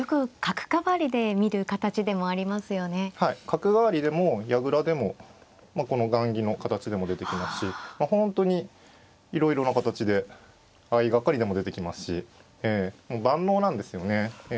角換わりでも矢倉でもこの雁木の形でも出てきますし本当にいろいろな形で相掛かりでも出てきますし万能なんですよね。